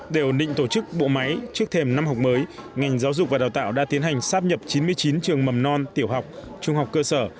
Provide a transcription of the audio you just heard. để ổn định tổ chức bộ máy trước thềm năm học mới ngành giáo dục và đào tạo đã tiến hành sáp nhập chín mươi chín trường mầm non tiểu học trung học cơ sở